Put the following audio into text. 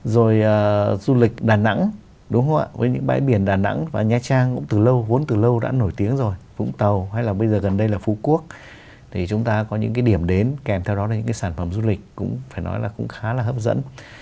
rồi du lịch đà nẵng đúng không ạ với những bãi biển đà nẵng và nha trang cũng từ lâu vốn từ lâu đã nổi tiếng rồi vũng tàu hay là bây giờ gần đây là phú quốc thì chúng ta có những cái điểm đến kèm theo đó là những cái sản phẩm du lịch cũng phải nói là cũng khá là hấp dẫn